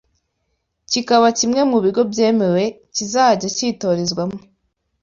kikaba kimwe mu bigo byemewe kizajya cyitorezwamo